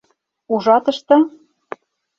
— Ужатышда?